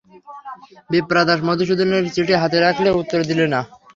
বিপ্রদাস মধুসূদনের চিঠি হাতে রাখলে, উত্তর দিলে না।